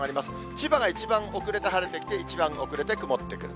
千葉が一番遅れて晴れてきて、一番遅れて曇ってくる。